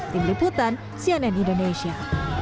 tim liputan cnn indonesia